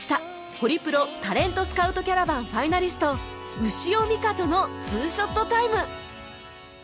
ホリプロタレントスカウトキャラバンファイナリスト潮みかとの２ショットタイム